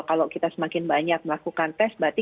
kalau kita semakin banyak melakukan tes berarti